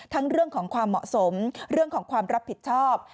เรื่องของความเหมาะสมเรื่องของความรับผิดชอบ